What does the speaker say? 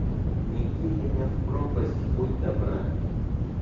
Не кинь меня в пропасть, будь добра.